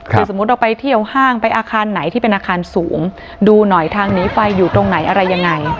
คือสมมุติเราไปเที่ยวห้างไปอาคารไหนที่เป็นอาคารสูงดูหน่อยทางหนีไฟอยู่ตรงไหนอะไรยังไง